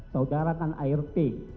saudara kan art